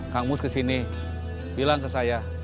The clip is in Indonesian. kamu kesini bilang ke saya